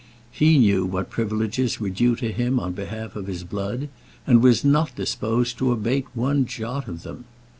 He knew what privileges were due to him on behalf of his blood, and was not disposed to abate one jot of them.